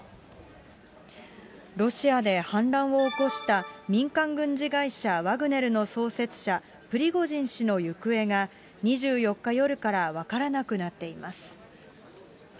ロシアで反乱を起こした民間軍事会社ワグネルの創設者、プリゴジン氏の行方が、２４日夜から分からなくなっています。